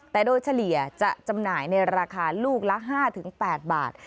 แต่โดยเฉลี่ยจะจำหน่ายในราคาลูกละ๕๘บาท